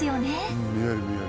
うん見える見える。